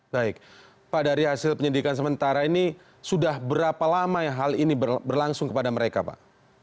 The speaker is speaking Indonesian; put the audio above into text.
baik pak dari hasil penyidikan sementara ini sudah berapa lama hal ini berlangsung kepada mereka pak